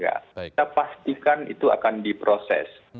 kita pastikan itu akan diproses